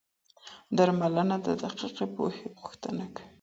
درملنه د دقیقې پوهي غوښتنه کوي.